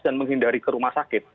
dan menghindari ke rumah sakit